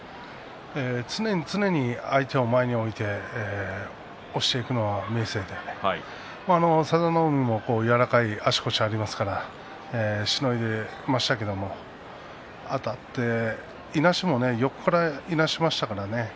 常に常に相手を前に置いて押していくのは明生で佐田の海も柔らかい足腰がありますからしのいでいましたがあたっていなしも横からいなしましたからね。